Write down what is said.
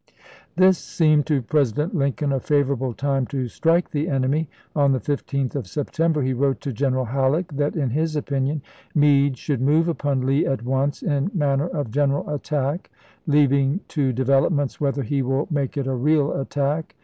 This seemed to President Lincoln a favorable time to strike the enemy. On the 15th of Septem ber he wrote to General Halleck that, in his opinion, Meade " should move upon Lee at once in man ner of general attack, leaving to developments whether he will make it a real attack.